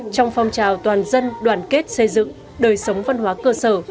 trong phong trào toàn dân đoàn kết xây dựng đời sống văn hóa cơ sở